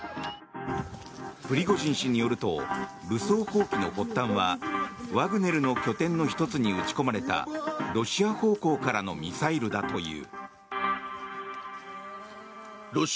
プリゴジン氏によると武装蜂起の発端はワグネルの拠点の１つに撃ち込まれたロシア方向からのミサイルだという。